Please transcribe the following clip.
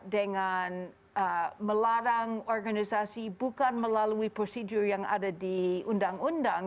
dengan melarang organisasi bukan melalui prosedur yang ada di undang undang